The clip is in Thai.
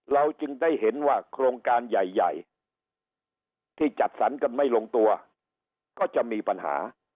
เราจึงได้เห็นว่าโครงการใหญ่ที่จัดสรรกันไม่ลงตัวก็จะมีปัญหา